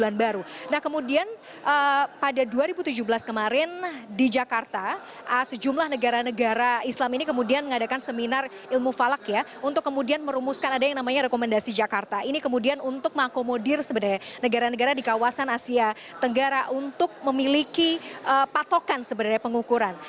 nah kemudian pada dua ribu tujuh belas kemarin di jakarta sejumlah negara negara islam ini kemudian mengadakan seminar ilmu falak ya untuk kemudian merumuskan ada yang namanya rekomendasi jakarta ini kemudian untuk mengakomodir sebenarnya negara negara di kawasan asia tenggara untuk memiliki patokan sebenarnya pengukuran